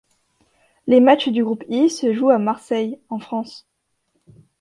Les matches du groupe I se jouent à Marseille, en France.